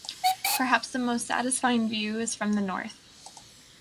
Perhaps the most satisfying view is from the north.